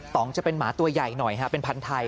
องจะเป็นหมาตัวใหญ่หน่อยเป็นพันธุ์ไทย